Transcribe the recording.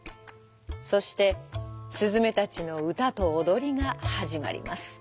そしてすずめたちのうたとおどりがはじまります。